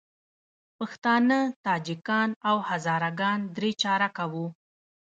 پښتانه، تاجکان او هزاره ګان درې چارکه وو.